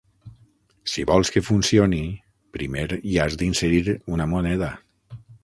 Si vols que funcioni, primer hi has d'inserir una moneda.